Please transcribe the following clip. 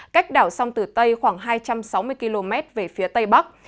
cách đảo sông tử tây khoảng hai trăm sáu mươi km về phía tây bắc